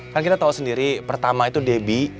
kan kita tahu sendiri pertama itu debbie